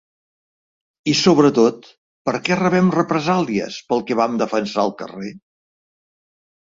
I sobretot, per què rebem represàlies pel que vam defensar al carrer?